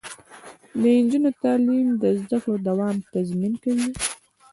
د نجونو تعلیم د زدکړو دوام تضمین کوي.